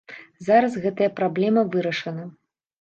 Зараз гэтая праблема вырашана.